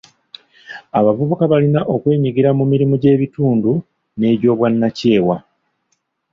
Abavubuka balina okwenyigira mu mirimu gy'ebitundu n'egy'obwannakyewa.